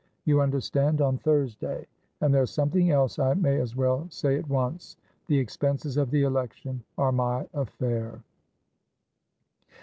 You understandon Thursday. And there's something else I may as well say at once; the expenses of the election are my affair."